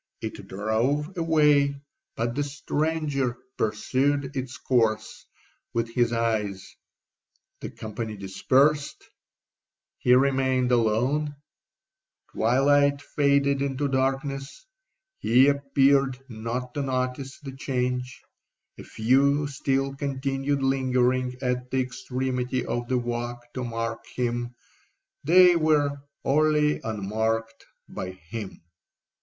It drove away, but the stranger pursued its course with his eyes—the company dispersed, he remained alone—twilight faded into darkness—he appeared not to notice the change—a few still continued lingering at the extremity of the walk to mark him—they were wholly unmarked by him.